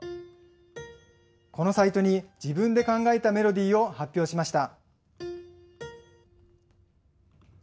このサイトに自分で考えたメロディーを発表しました。